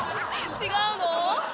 違うのよ。